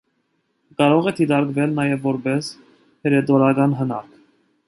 Կարող է դիտարկվել նաև որպես հռետորական հնարք։